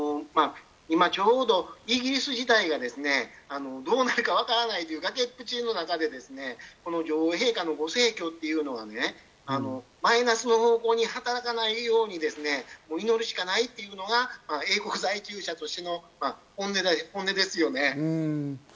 今ちょうどイギリス自体がどうなるかわからない崖っぷちの中で、女王陛下のご逝去というのはですね、マイナスの方向に働かないように祈るしかないというのが英国在住者としての本音ですよね。